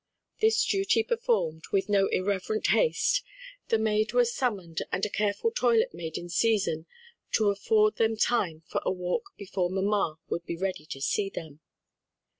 This duty performed with no irreverent haste, the maid was summoned and a careful toilet made in season to afford them time for a walk before mamma would be ready to see them.